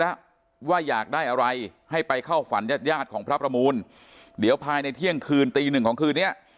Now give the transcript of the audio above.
แล้วว่าอยากได้อะไรให้ไปเข้าฝันยาดของพระประมูลเดี๋ยวพายในเที่ยงคืนตี๑ของคืน